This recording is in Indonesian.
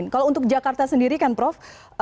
kalau untuk jakarta sendiri kan prof